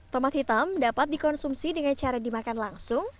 tomat hitam dapat dikonsumsi dengan cara dimakan langsung